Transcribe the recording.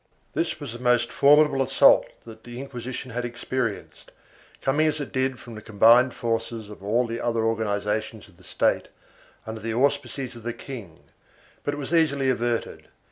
This was the most formidable assault that the Inquisition had experienced, coming as it did from the combined forces of all the other organizations of the State, under the auspices of the king, but it was easily averted.